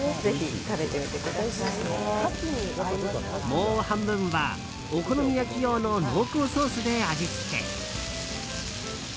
もう半分は、お好み焼き用の濃厚ソースで味付け。